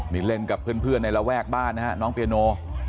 นี่เล่นกับเพื่อนในระแวกบ้านนะฮะน้องเปียโน